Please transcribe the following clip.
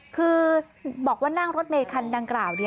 คือบอกว่านั่งรถคันนางกราว